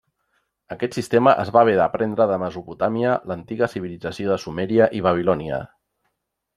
Aquest sistema es va haver de prendre de Mesopotàmia, l'antiga civilització de Sumèria i Babilònia.